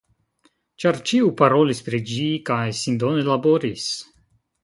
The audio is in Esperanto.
Ĉar ĉiu parolis pri ĝi, kaj sindone laboris.